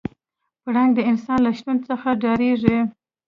پړانګ د انسان له شتون څخه ډارېږي.